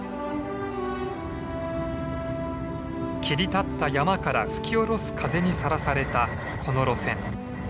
切り立った山から吹き下ろす風にさらされたこの路線。